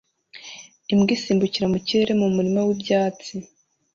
Imbwa isimbukira mu kirere mu murima w'ibyatsi